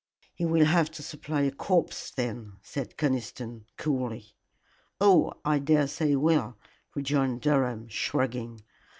"He will have to supply a corpse then," said Conniston, coolly. "Oh, I daresay he will," rejoined Durham, shrugging.